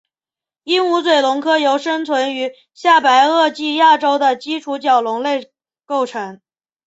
鹦鹉嘴龙科由生存于下白垩纪亚洲的基础角龙类构成。